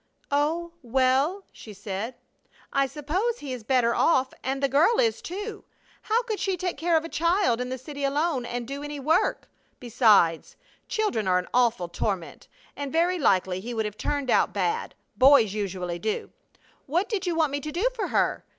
"Oh, well," she said, "I suppose he is better off, and the girl is, too. How could she take care of a child in the city alone, and do any work? Besides, children are an awful torment, and very likely he would have turned out bad. Boys usually do. What did you want me to do for her?